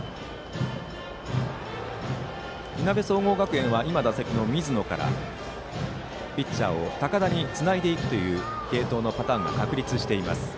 いなべ総合学園は今、打席の水野からピッチャーを高田につないでいくという継投のパターンが確立しています。